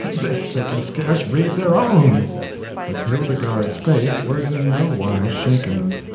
they can scarce read their own." But Hildegarde's faith was in no wise shaken.